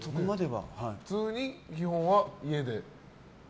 普通に基本は家で？